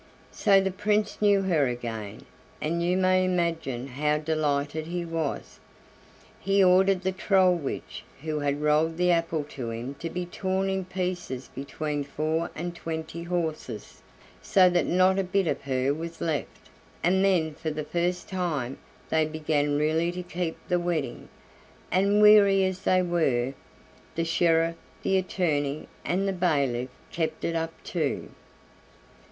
So the Prince knew her again, and you may imagine how delighted he was. He ordered the troll witch who had rolled the apple to him to be torn in pieces between four and twenty horses, so that not a bit of her was left, and then for the first time they began really to keep the wedding, and, weary as they were, the sheriff, the attorney, and the bailiff kept it up too.